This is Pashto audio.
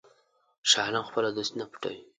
شاه عالم خپله دوستي نه پټوي.